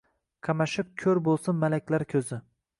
qamashib ko’r bo’lsin malaklar ko’zi.